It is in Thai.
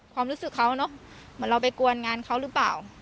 ความรู้สึกเขาเนอะเหมือนเราไปกวนงานเขาหรือเปล่า